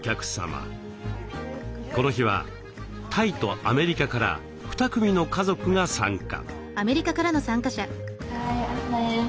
この日はタイとアメリカから２組の家族が参加。